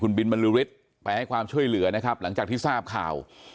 คุณบิลบริษฐ์ไปให้ความช่วยเหลือนะครับหลังจากที่ทราบข่าว